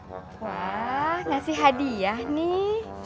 wah ngasih hadiah nih